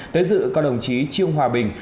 tới dự có đồng chí trương hòa bình